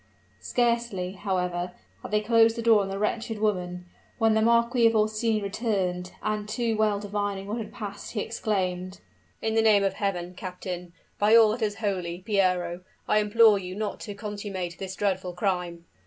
Scarcely, however, had they closed the door on the wretched woman, when the Marquis of Orsini returned; and, too well divining what had passed, he exclaimed, "In the name of Heaven, captain! by all that is holy, Piero! I implore you not to consummate this dreadful crime!"